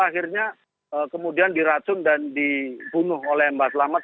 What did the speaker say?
akhirnya kemudian diracun dan dibunuh oleh mbak selamat